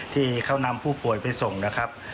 ที่เขานำผู้ป่วยไปส่งนะครับ